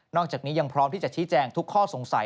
อกจากนี้ยังพร้อมที่จะชี้แจงทุกข้อสงสัย